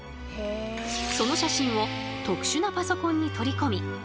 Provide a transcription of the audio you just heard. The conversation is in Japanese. その写真を特殊なパソコンに取り込み